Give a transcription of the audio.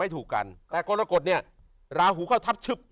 แต่กรกฎเนี่ยลาหูเขาทับชึบ